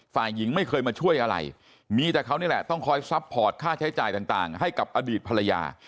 ฝ่ายหญิงไม่เคยมาช่วยอะไรมีแต่เขานี่แหละต้องคอยซัพพอร์ตค่าใช้จ่ายต่างให้กับอดีตภรรยา